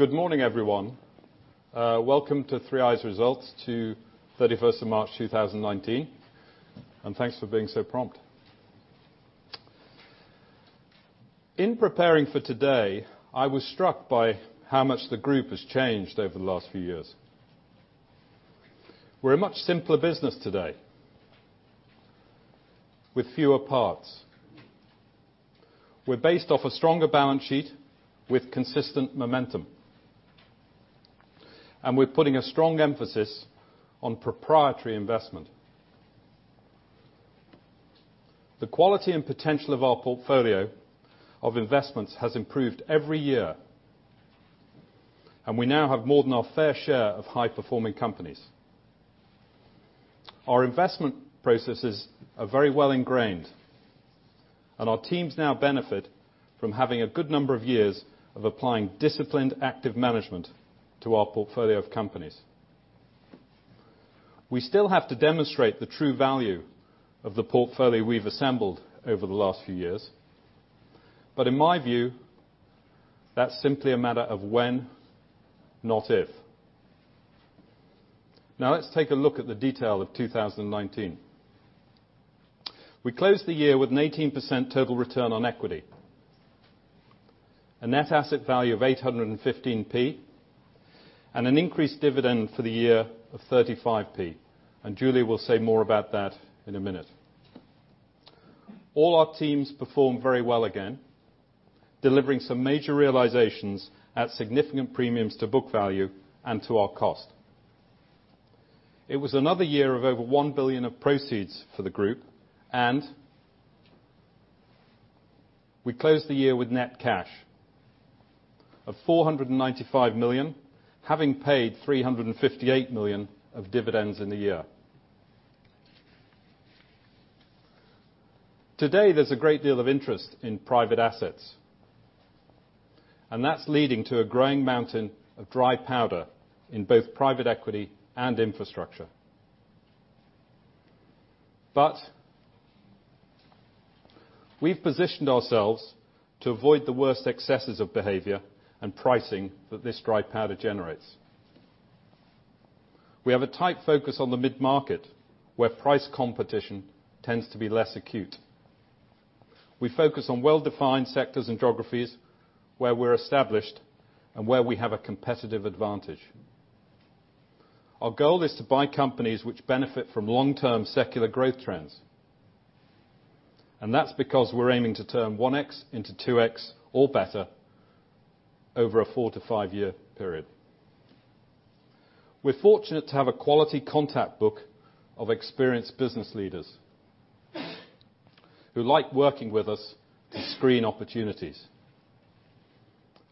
Good morning, everyone. Welcome to 3i's results to 31st of March 2019. Thanks for being so prompt. In preparing for today, I was struck by how much the group has changed over the last few years. We're a much simpler business today, with fewer parts. We're based off a stronger balance sheet with consistent momentum. We're putting a strong emphasis on proprietary investment. The quality and potential of our portfolio of investments has improved every year. We now have more than our fair share of high-performing companies. Our investment processes are very well ingrained. Our teams now benefit from having a good number of years of applying disciplined active management to our portfolio of companies. We still have to demonstrate the true value of the portfolio we've assembled over the last few years. In my view, that's simply a matter of when, not if. Now, let's take a look at the detail of 2019. We closed the year with an 18% total return on equity, a net asset value of 815p, and an increased dividend for the year of 35p. Julia will say more about that in a minute. All our teams performed very well again, delivering some major realizations at significant premiums to book value and to our cost. It was another year of over 1 billion of proceeds for the group. We closed the year with net cash of 495 million, having paid 358 million of dividends in the year. Today, there's a great deal of interest in private assets. That's leading to a growing mountain of dry powder in both private equity and infrastructure. We've positioned ourselves to avoid the worst excesses of behavior and pricing that this dry powder generates. We have a tight focus on the mid-market, where price competition tends to be less acute. We focus on well-defined sectors and geographies where we're established and where we have a competitive advantage. Our goal is to buy companies which benefit from long-term secular growth trends. That's because we're aiming to turn 1x into 2x or better over a four-to-five-year period. We're fortunate to have a quality contact book of experienced business leaders who like working with us to screen opportunities,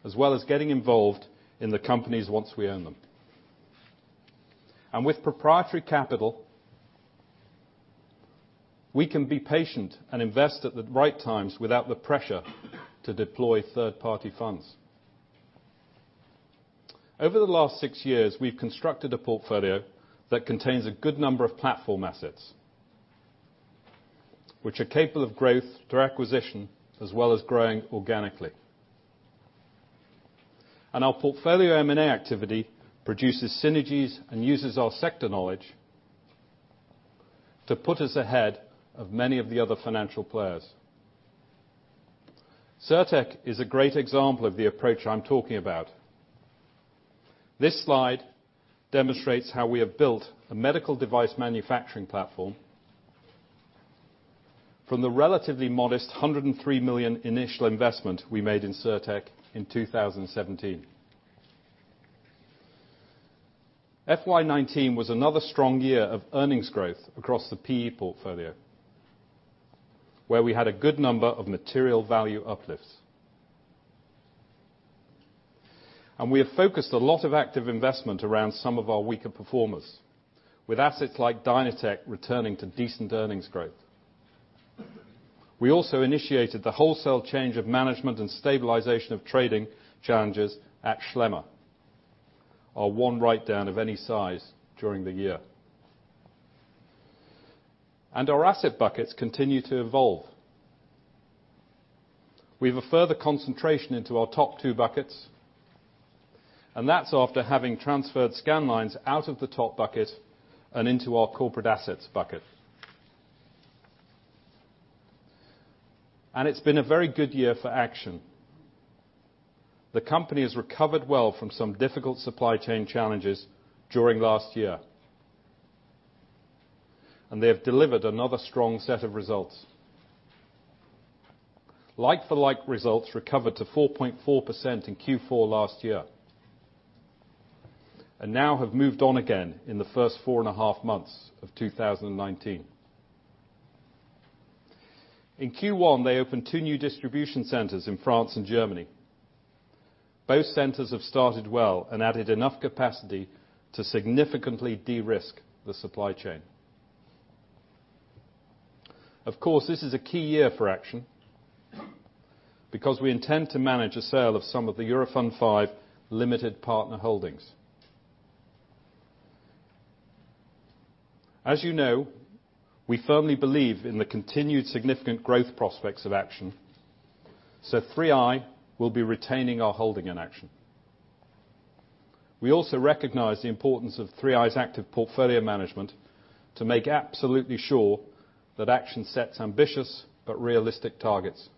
as well as getting involved in the companies once we own them. With proprietary capital, we can be patient and invest at the right times without the pressure to deploy third-party funds. Over the last six years, we've constructed a portfolio that contains a good number of platform assets which are capable of growth through acquisition as well as growing organically. Our portfolio M&A activity produces synergies and uses our sector knowledge to put us ahead of many of the other financial players. Cirtec is a great example of the approach I'm talking about. This slide demonstrates how we have built a medical device manufacturing platform from the relatively modest 103 million initial investment we made in Cirtec in 2017. FY 2019 was another strong year of earnings growth across the PE portfolio, where we had a good number of material value uplifts. We have focused a lot of active investment around some of our weaker performers, with assets like Dynatect returning to decent earnings growth. We also initiated the wholesale change of management and stabilization of trading challenges at Schlemmer. Our one write-down of any size during the year. Our asset buckets continue to evolve. We have a further concentration into our top two buckets, that's after having transferred Scandlines out of the top bucket and into our corporate assets bucket. It's been a very good year for Action. The company has recovered well from some difficult supply chain challenges during last year, and they have delivered another strong set of results. Like-for-like results recovered to 4.4% in Q4 last year, and now have moved on again in the first four and a half months of 2019. In Q1, they opened two new distribution centers in France and Germany. Both centers have started well and added enough capacity to significantly de-risk the supply chain. Of course, this is a key year for Action because we intend to manage a sale of some of the Eurofund V limited partner holdings. As you know, we firmly believe in the continued significant growth prospects of Action, 3i will be retaining our holding in Action. We also recognize the importance of 3i's active portfolio management to make absolutely sure that Action sets ambitious but realistic targets,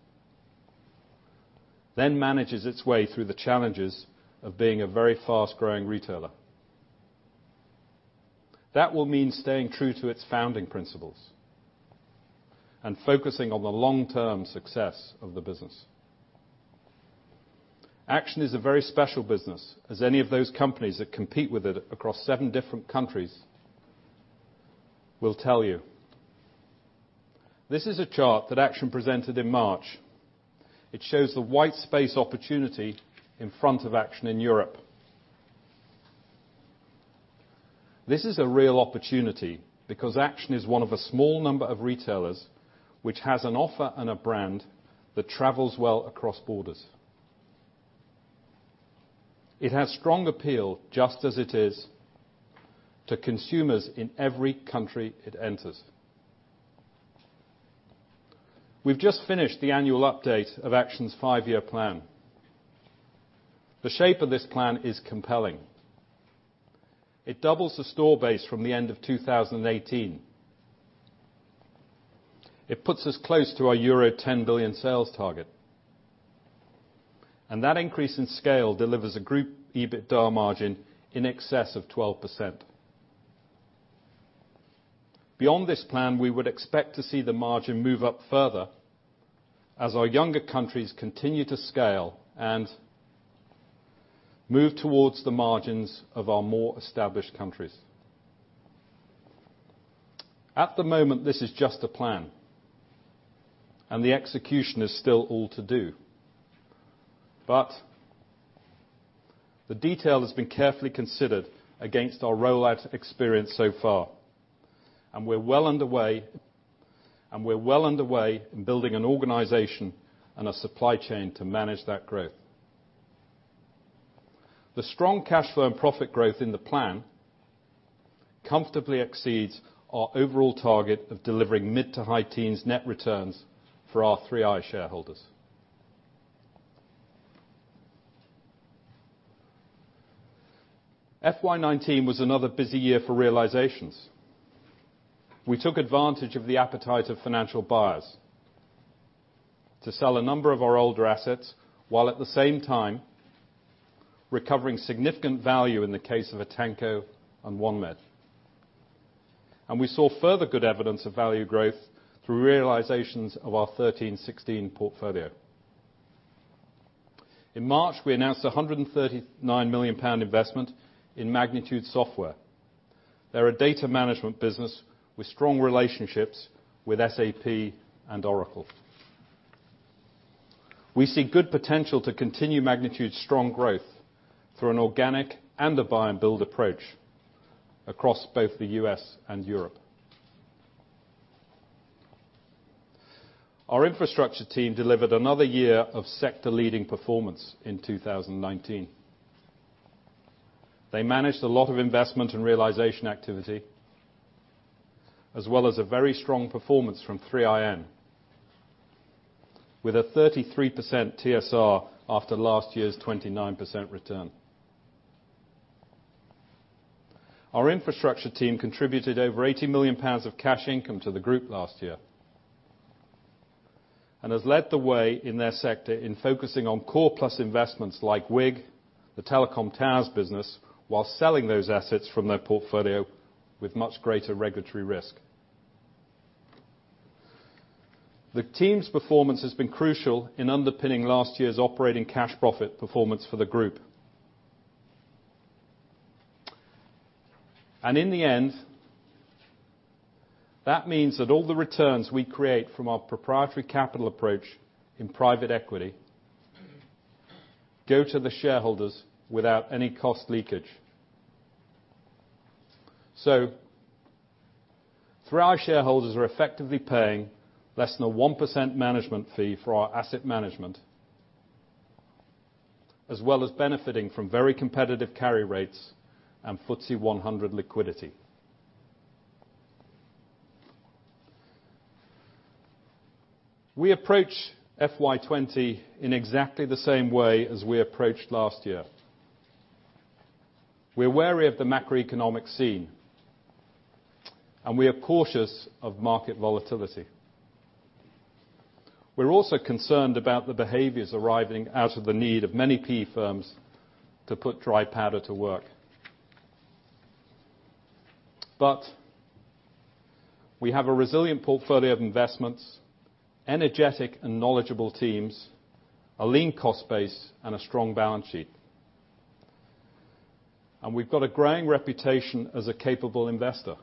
manages its way through the challenges of being a very fast-growing retailer. That will mean staying true to its founding principles and focusing on the long-term success of the business. Action is a very special business, as any of those companies that compete with it across seven different countries will tell you. This is a chart that Action presented in March. It shows the white space opportunity in front of Action in Europe. This is a real opportunity because Action is one of a small number of retailers which has an offer and a brand that travels well across borders. It has strong appeal, just as it is, to consumers in every country it enters. We've just finished the annual update of Action's five-year plan. The shape of this plan is compelling. It doubles the store base from the end of 2018. It puts us close to our euro 10 billion sales target. That increase in scale delivers a group EBITDA margin in excess of 12%. Beyond this plan, we would expect to see the margin move up further as our younger countries continue to scale and move towards the margins of our more established countries. At the moment, this is just a plan, and the execution is still all to do. The detail has been carefully considered against our rollout experience so far, and we're well underway in building an organization and a supply chain to manage that growth. The strong cash flow and profit growth in the plan comfortably exceeds our overall target of delivering mid-to-high teens net returns for our 3i shareholders. FY 2019 was another busy year for realizations. We took advantage of the appetite of financial buyers to sell a number of our older assets, while at the same time recovering significant value in the case of Atento and OneMed. We saw further good evidence of value growth through realizations of our 13-16 portfolio. In March, we announced a 139 million pound investment in Magnitude Software. They're a data management business with strong relationships with SAP and Oracle. We see good potential to continue Magnitude's strong growth through an organic and a buy-and-build approach across both the U.S. and Europe. Our infrastructure team delivered another year of sector-leading performance in 2019. They managed a lot of investment and realization activity, as well as a very strong performance from 3IN, with a 33% TSR after last year's 29% return. Our infrastructure team contributed over 80 million pounds of cash income to the group last year and has led the way in their sector in focusing on core plus investments like WIG, the telecom towers business, while selling those assets from their portfolio with much greater regulatory risk. The team's performance has been crucial in underpinning last year's operating cash profit performance for the group. In the end, that means that all the returns we create from our proprietary capital approach in private equity go to the shareholders without any cost leakage. 3i shareholders are effectively paying less than a 1% management fee for our asset management, as well as benefiting from very competitive carry rates and FTSE 100 liquidity. We approach FY 2020 in exactly the same way as we approached last year. We're wary of the macroeconomic scene, we are cautious of market volatility. We're also concerned about the behaviors arising out of the need of many PE firms to put dry powder to work. We have a resilient portfolio of investments, energetic and knowledgeable teams, a lean cost base, and a strong balance sheet. We've got a growing reputation as a capable investor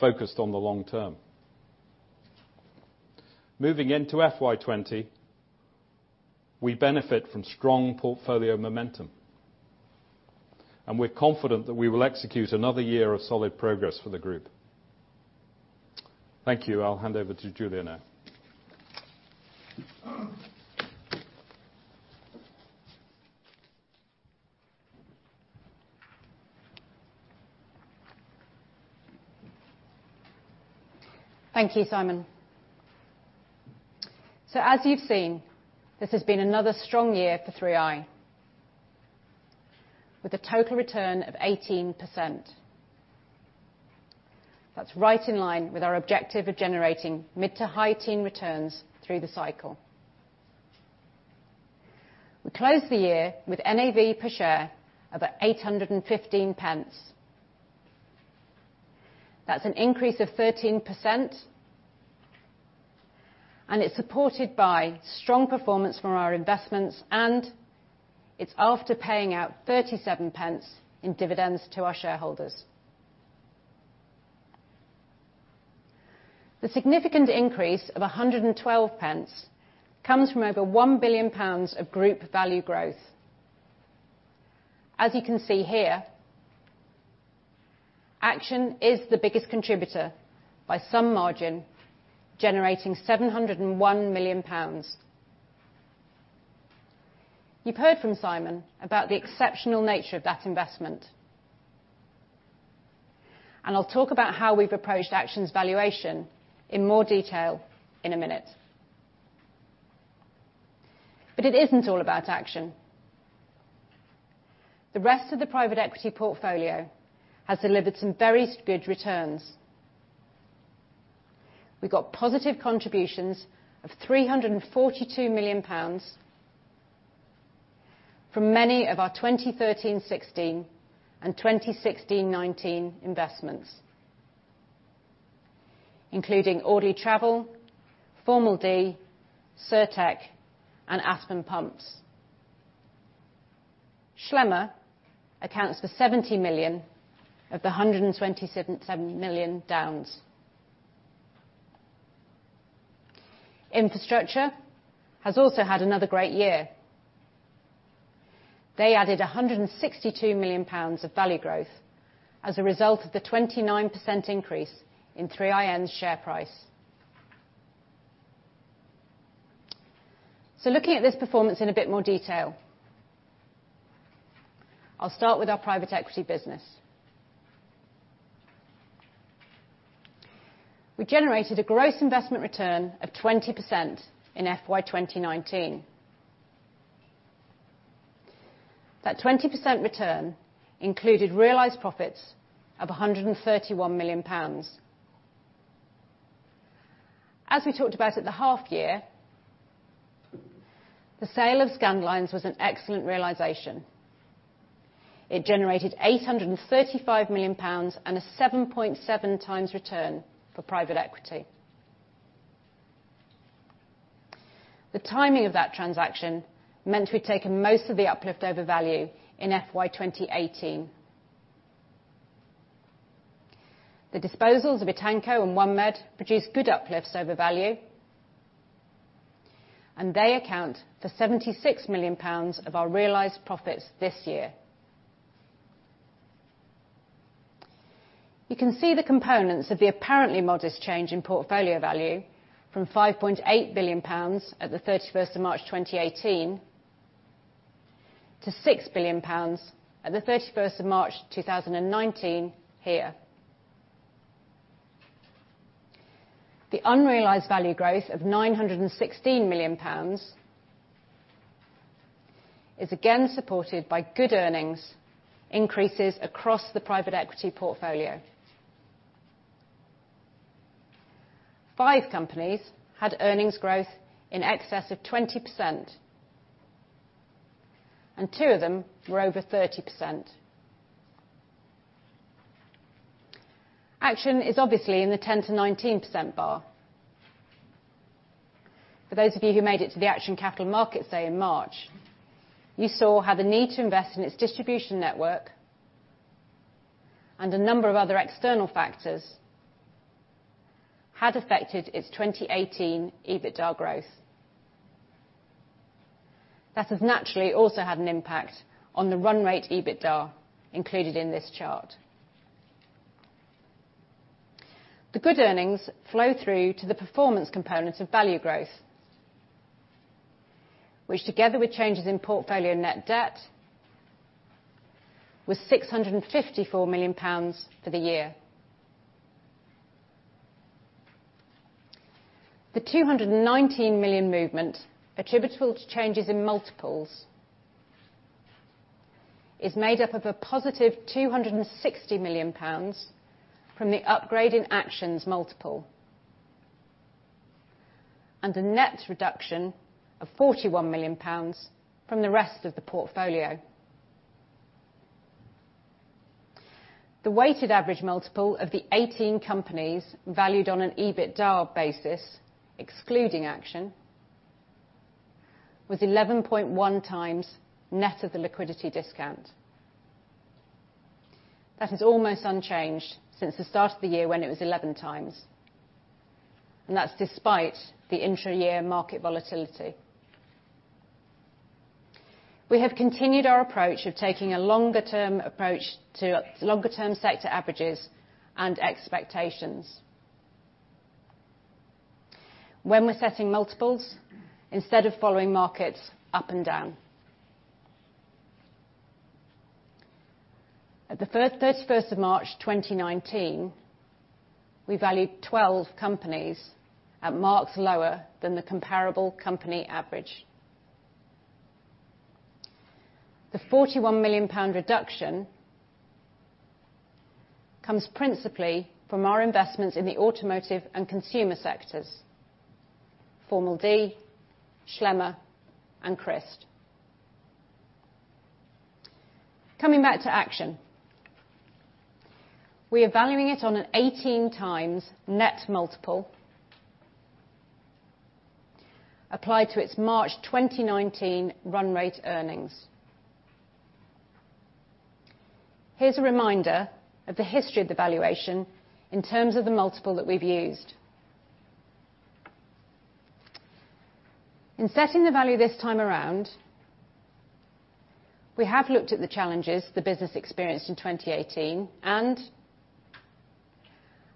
focused on the long term. Moving into FY 2020, we benefit from strong portfolio momentum, we're confident that we will execute another year of solid progress for the group. Thank you. I'll hand over to Julia now Thank you, Simon. As you've seen, this has been another strong year for 3i, with a total return of 18%. That's right in line with our objective of generating mid to high teen returns through the cycle. We closed the year with NAV per share of 8.15. That's an increase of 13%, it's supported by strong performance from our investments, it's after paying out 0.37 in dividends to our shareholders. The significant increase of 1.12 comes from over 1 billion pounds of group value growth. As you can see here, Action is the biggest contributor by some margin, generating GBP 701 million. You've heard from Simon about the exceptional nature of that investment, I'll talk about how we've approached Action's valuation in more detail in a minute. It isn't all about Action. The rest of the private equity portfolio has delivered some very good returns. We got positive contributions of 342 million pounds from many of our 2013-2016 and 2016-2019 investments, including Audley Travel, Formel D, Sertec, and Aspen Pumps. Schlemmer accounts for 70 million of the 127 million downs. Infrastructure has also had another great year. They added 162 million pounds of value growth as a result of the 29% increase in 3iN's share price. Looking at this performance in a bit more detail. I'll start with our private equity business. We generated a gross investment return of 20% in FY 2019. That 20% return included realized profits of GBP 131 million. As we talked about at the half year, the sale of Scandlines was an excellent realization. It generated 835 million pounds and a 7.7 times return for private equity. The timing of that transaction meant we'd taken most of the uplift over value in FY 2018. The disposals of Etanco and OneMed produced good uplifts over value, and they account for 76 million pounds of our realized profits this year. You can see the components of the apparently modest change in portfolio value from 5.8 billion pounds at the 31st of March 2018 to 6 billion pounds at the 31st of March 2019 here. The unrealized value growth of 916 million pounds is again supported by good earnings increases across the private equity portfolio. Five companies had earnings growth in excess of 20%, and two of them were over 30%. Action is obviously in the 10%-19% bar. For those of you who made it to the Action Capital Markets Day in March, you saw how the need to invest in its distribution network and a number of other external factors had affected its 2018 EBITDA growth. That has naturally also had an impact on the run rate EBITDA included in this chart. The good earnings flow through to the performance component of value growth, which together with changes in portfolio net debt, was 654 million pounds for the year. The 219 million movement attributable to changes in multiples is made up of a positive 260 million pounds from the upgrade in Action's multiple, and a net reduction of 41 million pounds from the rest of the portfolio. The weighted average multiple of the 18 companies valued on an EBITDA basis, excluding Action, was 11.1 times net of the liquidity discount. That is almost unchanged since the start of the year when it was 11 times, and that's despite the intra-year market volatility. We have continued our approach of taking a longer term approach to longer term sector averages and expectations. When we're setting multiples instead of following markets up and down. At the 31st of March 2019, we valued 12 companies at marks lower than the comparable company average. The GBP 41 million reduction comes principally from our investments in the automotive and consumer sectors, Formel D, Schlemmer and Christ. Coming back to Action. We are valuing it on an 18 times net multiple applied to its March 2019 run rate earnings. Here's a reminder of the history of the valuation in terms of the multiple that we've used. In setting the value this time around, we have looked at the challenges the business experienced in 2018 and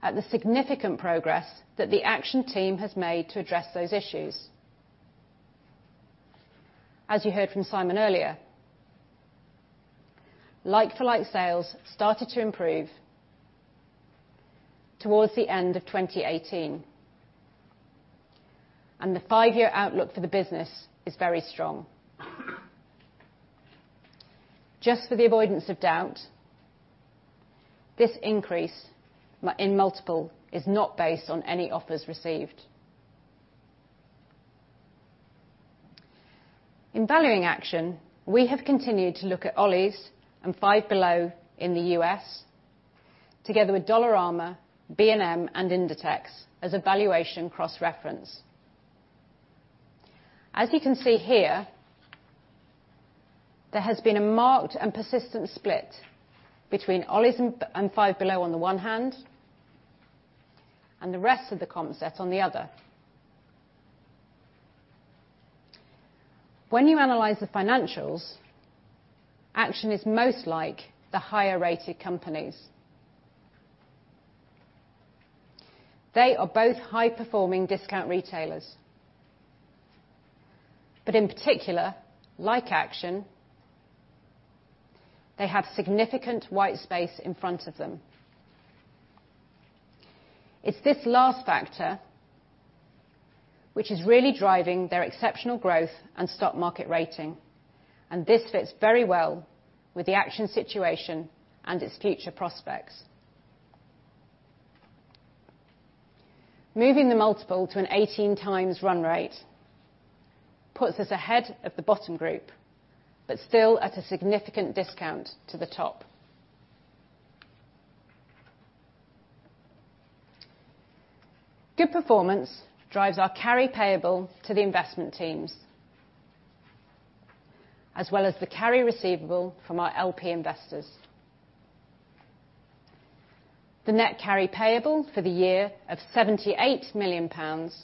at the significant progress that the Action team has made to address those issues. As you heard from Simon earlier, like-for-like sales started to improve towards the end of 2018, and the five-year outlook for the business is very strong. Just for the avoidance of doubt, this increase in multiple is not based on any offers received. In valuing Action, we have continued to look at Ollie's and Five Below in the U.S. together with Dollarama, B&M and Inditex as a valuation cross-reference. As you can see here, there has been a marked and persistent split between Ollie's and Five Below on the one hand and the rest of the comp set on the other. When you analyze the financials, Action is most like the higher-rated companies. They are both high-performing discount retailers, but in particular, like Action, they have significant white space in front of them. It's this last factor which is really driving their exceptional growth and stock market rating, and this fits very well with the Action situation and its future prospects. Moving the multiple to an 18 times run rate puts us ahead of the bottom group, but still at a significant discount to the top. Good performance drives our carry payable to the investment teams, as well as the carry receivable from our LP investors. The net carry payable for the year of 78 million pounds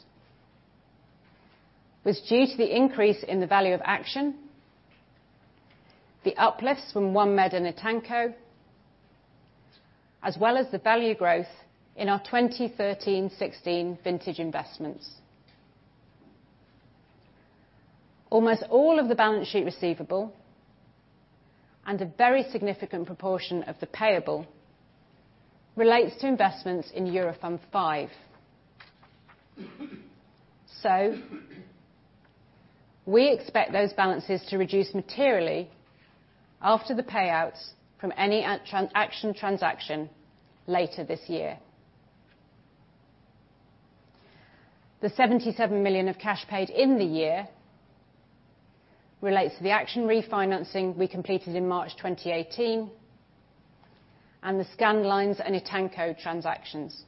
was due to the increase in the value of Action, the uplifts from OneMed and Etanco, as well as the value growth in our 2013/16 vintage investments. Almost all of the balance sheet receivable and a very significant proportion of the payable relates to investments in Eurofund V. We expect those balances to reduce materially after the payouts from any Action transaction later this year. The 77 million of cash paid in the year relates to the Action refinancing we completed in March 2018 and the Scandlines and Etanco transactions.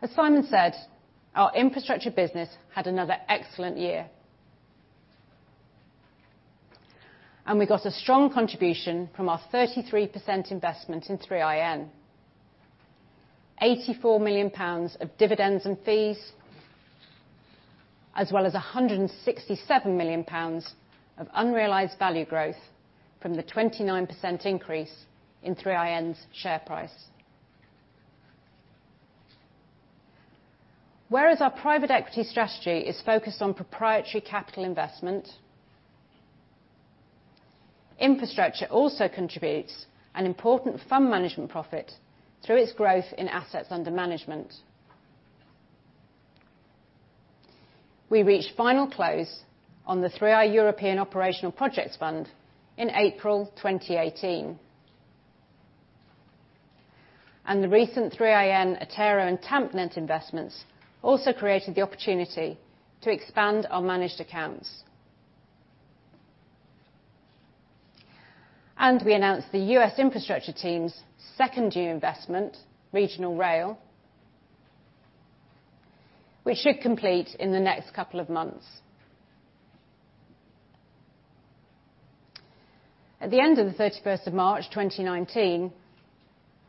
As Simon said, our infrastructure business had another excellent year, and we got a strong contribution from our 33% investment in 3iN, 84 million pounds of dividends and fees, as well as 167 million pounds of unrealized value growth from the 29% increase in 3iN's share price. Whereas our private equity strategy is focused on proprietary capital investment, infrastructure also contributes an important fund management profit through its growth in assets under management. We reached final close on the 3i European Operational Projects Fund in April 2018, and the recent 3iN, Attero and Tampnet investments also created the opportunity to expand our managed accounts. We announced the U.S. infrastructure team's second year investment, Regional Rail, which should complete in the next couple of months. At the end of the 31st of March 2019,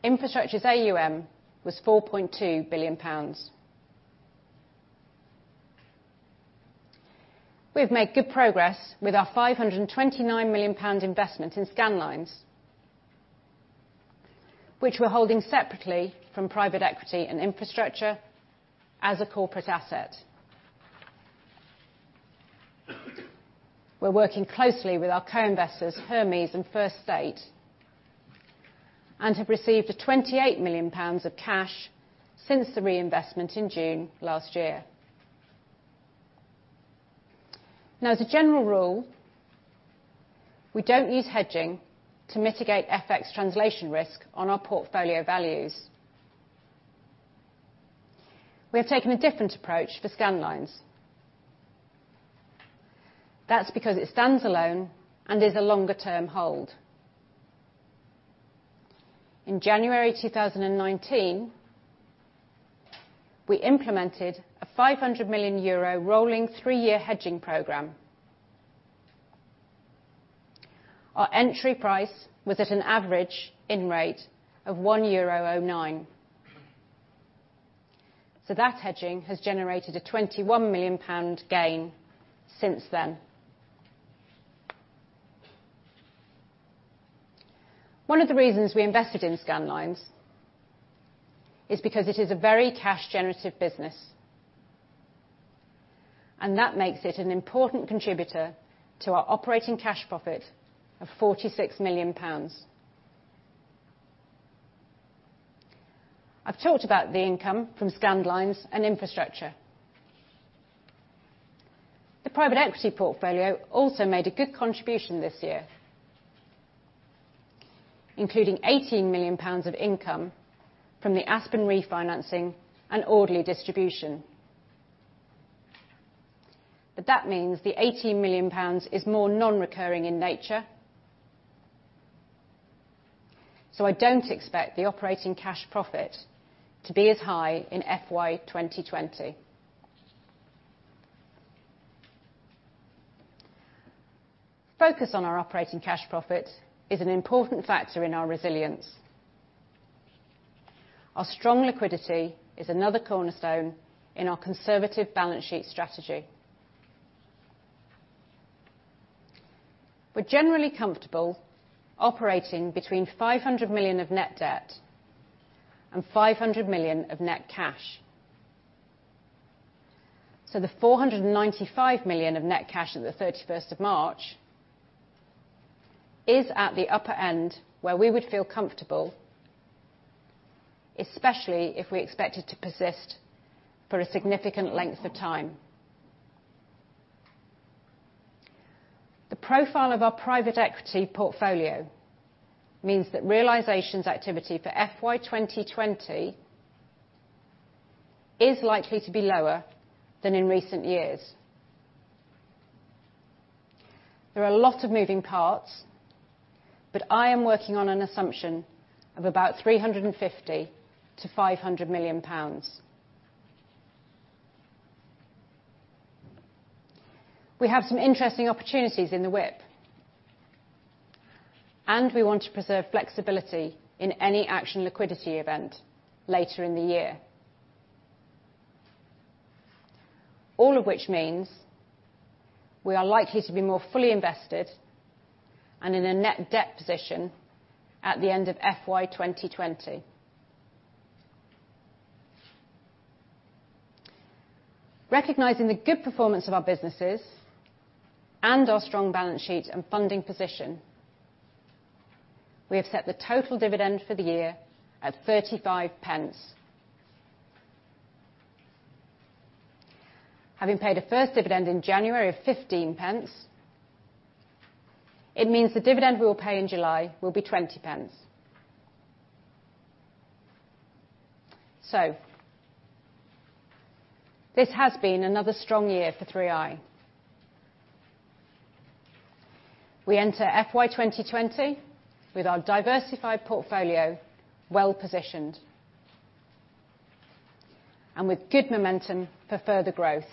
infrastructure's AUM was GBP 4.2 billion. We've made good progress with our 529 million pound investment in Scandlines, which we're holding separately from private equity and infrastructure as a corporate asset. We're working closely with our co-investors, Hermes and First State, and have received 28 million pounds of cash since the reinvestment in June last year. As a general rule, we don't use hedging to mitigate FX translation risk on our portfolio values. We have taken a different approach for Scandlines. That's because it stands alone and is a longer term hold. In January 2019, we implemented a 500 million euro rolling three-year hedging program. Our entry price was at an average in rate of 1.09 euro. That hedging has generated a 21 million pound gain since then. One of the reasons we invested in Scandlines is because it is a very cash generative business, and that makes it an important contributor to our operating cash profit of 46 million pounds. I've talked about the income from Scandlines and infrastructure. The private equity portfolio also made a good contribution this year, including 18 million pounds of income from the Aspen refinancing and orderly distribution. That means the 18 million pounds is more non-recurring in nature, so I don't expect the operating cash profit to be as high in FY 2020. Focus on our operating cash profit is an important factor in our resilience. Our strong liquidity is another cornerstone in our conservative balance sheet strategy. We're generally comfortable operating between 500 million of net debt and 500 million of net cash. The 495 million of net cash at the 31st of March is at the upper end where we would feel comfortable, especially if we expect it to persist for a significant length of time. The profile of our private equity portfolio means that realizations activity for FY 2020 is likely to be lower than in recent years. There are a lot of moving parts, but I am working on an assumption of about 350 million-500 million pounds. We have some interesting opportunities in the whip, and we want to preserve flexibility in any Action liquidity event later in the year. All of which means we are likely to be more fully invested and in a net debt position at the end of FY 2020. Recognizing the good performance of our businesses and our strong balance sheet and funding position, we have set the total dividend for the year at 0.35. Having paid a first dividend in January of 0.15, it means the dividend we will pay in July will be 0.20. This has been another strong year for 3i. We enter FY 2020 with our diversified portfolio well positioned and with good momentum for further growth.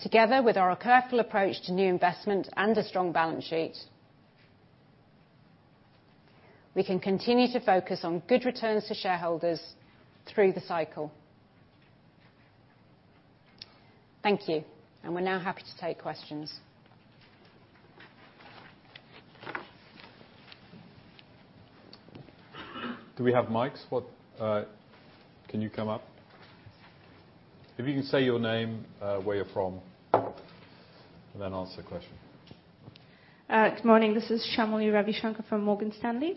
Together with our careful approach to new investment and a strong balance sheet, we can continue to focus on good returns to shareholders through the cycle. Thank you. We're now happy to take questions. Do we have mics? Can you come up? If you can say your name, where you're from, and then ask the question. Good morning. This is Shamali Ravishankar from Morgan Stanley.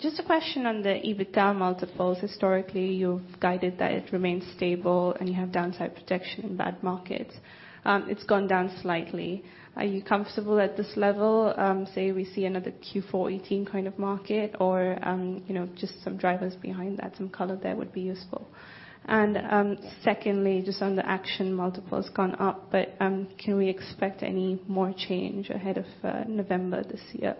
Just a question on the EBITDA multiples. Historically, you've guided that it remains stable and you have downside protection in bad markets. It's gone down slightly. Are you comfortable at this level? Say, we see another Q4 2018 kind of market or just some drivers behind that. Some color there would be useful. Secondly, just on the Action multiples gone up. Can we expect any more change ahead of November this year?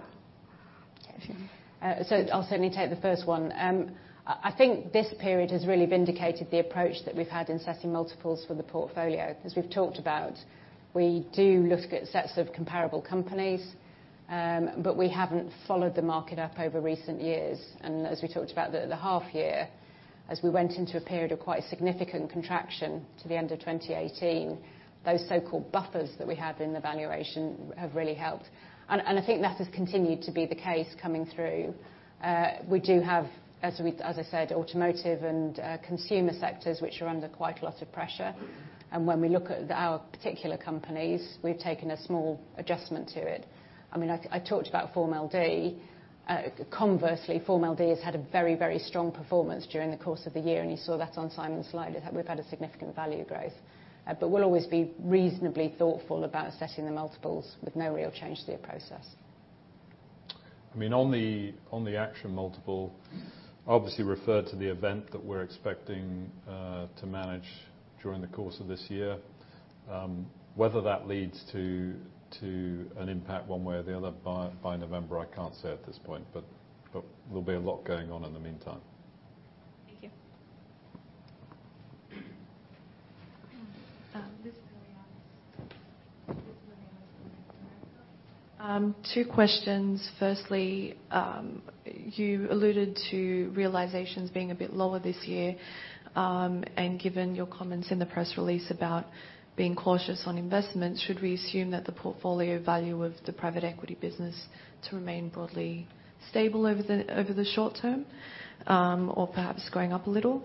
Kathryn. I'll certainly take the first one. I think this period has really vindicated the approach that we've had in setting multiples for the portfolio. As we've talked about, we do look at sets of comparable companies. We haven't followed the market up over recent years. As we talked about at the half year. As we went into a period of quite significant contraction to the end of 2018, those so-called buffers that we have in the valuation have really helped. I think that has continued to be the case coming through. We do have, as I said, automotive and consumer sectors, which are under quite a lot of pressure. When we look at our particular companies, we've taken a small adjustment to it. I talked about Formel D. Conversely, Formel D has had a very strong performance during the course of the year, and you saw that on Simon's slide, we've had a significant value growth. We'll always be reasonably thoughtful about assessing the multiples with no real change to the process. On the Action multiple, obviously referred to the event that we're expecting to manage during the course of this year. Whether that leads to an impact one way or the other by November, I can't say at this point, there'll be a lot going on in the meantime. Thank you. Liz Pelly with Bloomberg. Two questions. Firstly, you alluded to realizations being a bit lower this year. And given your comments in the press release about being cautious on investments, should we assume that the portfolio value of the private equity business to remain broadly stable over the short term? Or perhaps going up a little?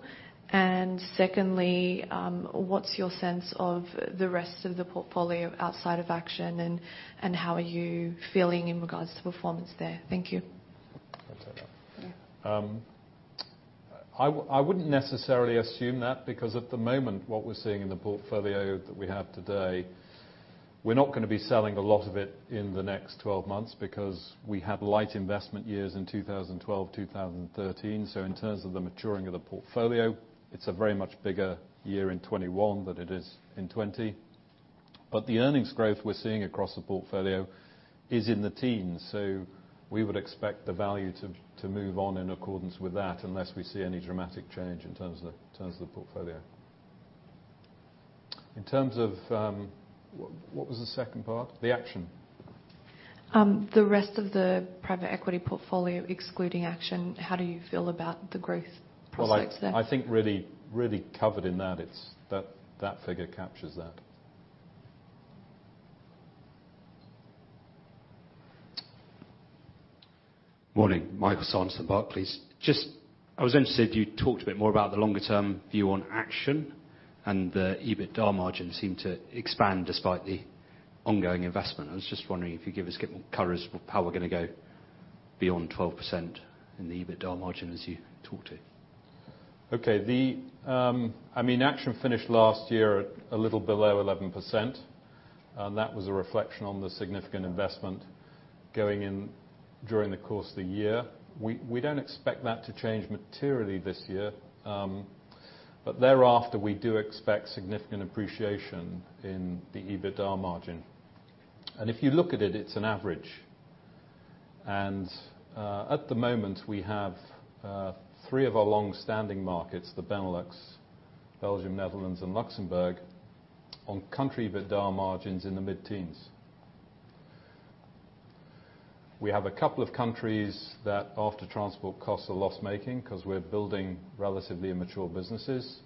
Secondly, what's your sense of the rest of the portfolio outside of Action, and how are you feeling in regards to performance there? Thank you. I'll take that. Yeah. I wouldn't necessarily assume that, because at the moment, what we're seeing in the portfolio that we have today, we're not going to be selling a lot of it in the next 12 months because we had light investment years in 2012, 2013. In terms of the maturing of the portfolio, it's a very much bigger year in 2021 than it is in 2020. The earnings growth we're seeing across the portfolio is in the teens, so we would expect the value to move on in accordance with that unless we see any dramatic change in terms of the portfolio. In terms of What was the second part? The Action. The rest of the private equity portfolio, excluding Action, how do you feel about the growth prospects there? I think really covered in that. That figure captures that. Morning. Michael Sanderson, Barclays. I was interested if you talked a bit more about the longer-term view on Action and the EBITDA margins seem to expand despite the ongoing investment. I was just wondering if you give us more color as how we're going to go beyond 12% in the EBITDA margin as you talked to. Okay. Action finished last year at a little below 11%, that was a reflection on the significant investment going in during the course of the year. We don't expect that to change materially this year. Thereafter, we do expect significant appreciation in the EBITDA margin. If you look at it's an average. At the moment, we have three of our longstanding markets, the Benelux, Belgium, Netherlands, and Luxembourg, on country EBITDA margins in the mid-teens. We have a couple of countries that after transport costs are loss-making because we're building relatively immature businesses.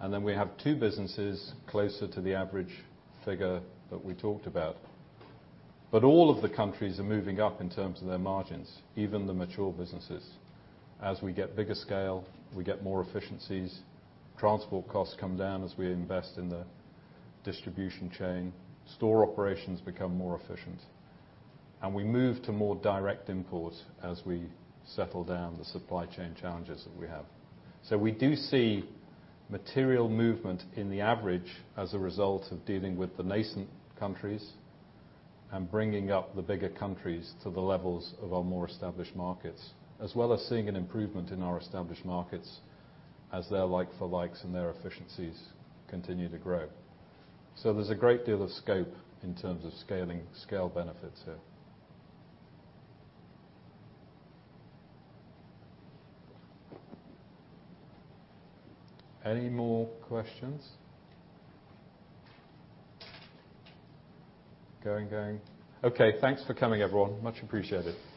Then we have two businesses closer to the average figure that we talked about. All of the countries are moving up in terms of their margins, even the mature businesses. As we get bigger scale, we get more efficiencies. Transport costs come down as we invest in the distribution chain. Store operations become more efficient. We move to more direct imports as we settle down the supply chain challenges that we have. We do see material movement in the average as a result of dealing with the nascent countries and bringing up the bigger countries to the levels of our more established markets, as well as seeing an improvement in our established markets as their like-for-likes and their efficiencies continue to grow. There's a great deal of scope in terms of scale benefits here. Any more questions? Going. Okay. Thanks for coming, everyone. Much appreciated.